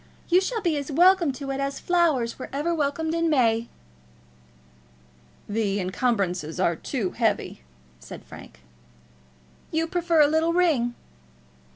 You shall be as welcome to it as flowers were ever welcomed in May." "The encumbrances are too heavy," said Frank. "You prefer a little ring."